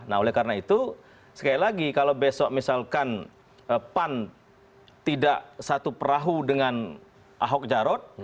nah oleh karena itu sekali lagi kalau besok misalkan pan tidak satu perahu dengan ahok jarot